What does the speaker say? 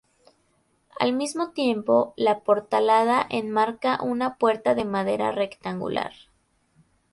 Al mismo tiempo, la portalada enmarca una puerta de madera rectangular.